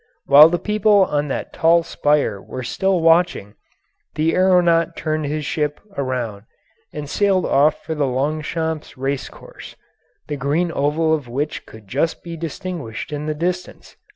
While the people on that tall spire were still watching, the aeronaut turned his ship around and sailed off for the Longchamps race course, the green oval of which could be just distinguished in the distance.